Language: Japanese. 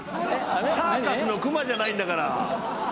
サーカスのクマじゃないんだから。